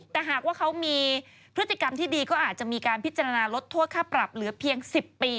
แต่หากว่าเขามีพฤติกรรมที่ดีก็อาจจะมีการพิจารณาลดโทษค่าปรับเหลือเพียง๑๐ปี